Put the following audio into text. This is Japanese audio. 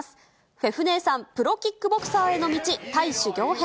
フェフ姉さん、プロキックボクサーへの道、タイ修行編。